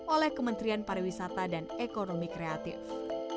oleh kementerian pariwisata dan ekonomi kreatif